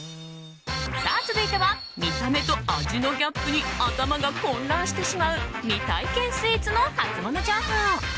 続いては見た目と味のギャップに頭が混乱してしまう未体験スイーツのハツモノ情報。